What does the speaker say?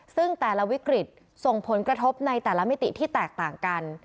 ซึ่งแต่ละวิกฤตส่งผลกระทบในแต่ละมิติที่แตกต่างกัน